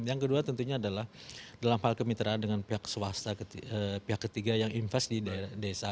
yang kedua tentunya adalah dalam hal kemitraan dengan pihak swasta pihak ketiga yang invest di desa